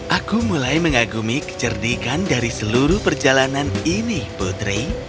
aku mulai mengagumi kecerdikan dari seluruh perjalanan ini putri